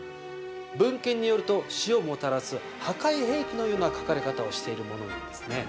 文献によると死をもたらす破壊兵器のような書かれ方をしているものなんですね。